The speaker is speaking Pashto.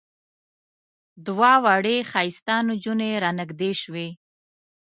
دوه وړې ښایسته نجونې را نږدې شوې.